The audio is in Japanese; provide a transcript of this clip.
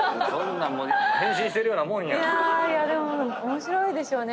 でも面白いでしょうね